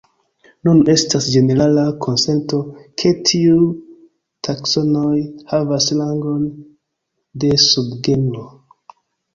Nun estas ĝenerala konsento ke tiuj taksonoj havas rangon de subgenro.